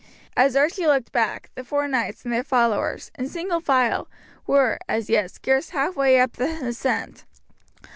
As Archie looked back, the four knights and their followers, in single file, were, as yet, scarce halfway up the ascent.